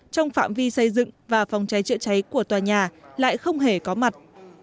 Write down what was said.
trong phạm vi xây dựng và phòng cháy chữa cháy của tòa nhà lại không hề có mặt